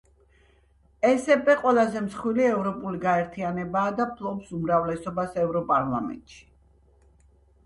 ესპ ყველაზე მსხვილი ევროპული გაერთიანებაა და ფლობს უმრავლესობას ევროპარლამენტში.